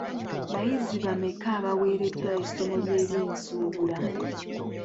Bayizi bameka abawereddwa essomo ly'ebyensuubula?